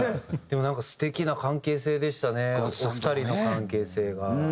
でもなんか素敵な関係性でしたねお二人の関係性が。